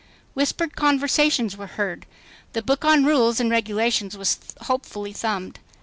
Whispered conversations were heard. The book on rules and regulations was hopefully thumbed.